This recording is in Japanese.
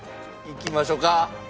いきましょうか。